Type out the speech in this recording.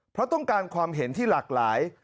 เพราะต้องการความเห็นที่หลากหลาย